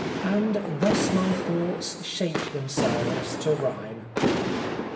And thus my thoughts shaped them selves to rhyme."